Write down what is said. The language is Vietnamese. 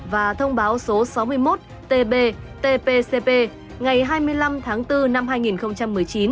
và thông báo số sáu mươi một tb tpcp ngày hai mươi năm tháng bốn năm hai nghìn một mươi chín